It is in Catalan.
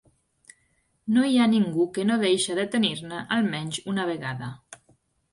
No hi ha ningú que no deixe de tenir-ne almenys una vegada.